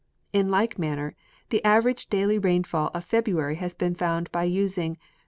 In like manner the average daily rainfall of February has been found by using 28.